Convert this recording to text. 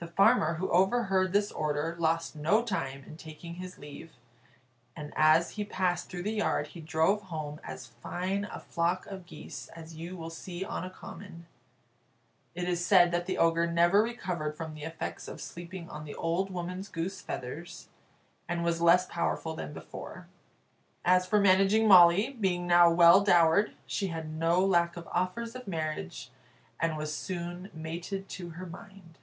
The farmer, who overheard this order, lost no time in taking his leave, and as he passed through the yard he drove home as fine a flock of geese as you will see on a common. It is said that the Ogre never recovered from the effects of sleeping on the old woman's goose feathers, and was less powerful than before. As for Managing Molly, being now well dowered, she had no lack of offers of marriage, and was soon mated to her mind.